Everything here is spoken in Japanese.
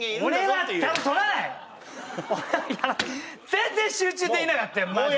全然集中できなかったよマジで！